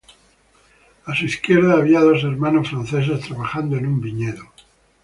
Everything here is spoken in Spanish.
A su izquierda había dos hermanos franceses trabajando en un viñedo.